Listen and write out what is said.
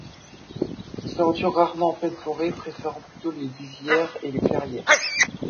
Il s’aventure rarement en pleine forêt, préférant plutôt les lisières et les clairières.